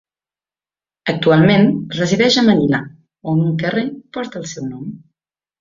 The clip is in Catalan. Actualment resideix a Manila, on un carrer porta el seu nom.